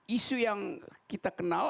isu yang kita kenal